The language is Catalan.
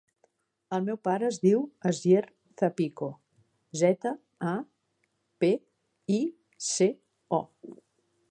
El meu pare es diu Asier Zapico: zeta, a, pe, i, ce, o.